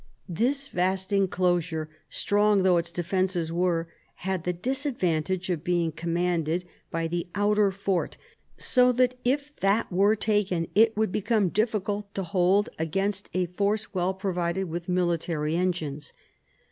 This vast enclosure, strong though its defences were, had the disadvantage of being commanded by the outer fort, so that if that were taken it would become difficult to hold against a force well provided with military engines.